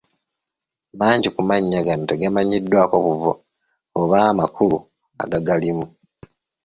Mangi ku mannya gano tegamanyiddwako buvo oba makulu agagalimu.